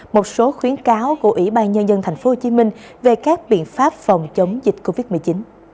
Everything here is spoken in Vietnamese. một số khuyến cáo của ủy ban nhân dân tp hcm về các biện pháp phòng chống dịch covid một mươi chín